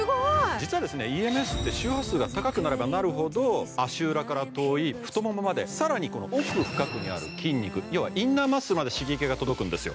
実はＥＭＳって周波数が高くなればなるほど足裏から遠い太ももまで更に奥深くにある筋肉、インナーマッスルまで刺激が届くんですよ。